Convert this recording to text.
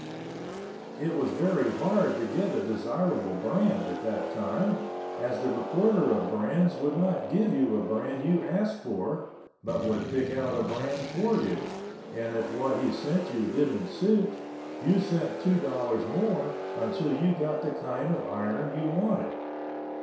It was very hard to get a desirable brand at that time, as the recorder of brands would not give you a brand you asked for, but would pick out a brand for you, and if what he sent you didn't suit, you sent two dollars more until you got the kind of iron you wanted.